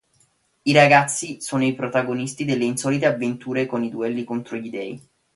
I ragazzi sono i protagonisti di insolite avventure e duelli contro gli dèi.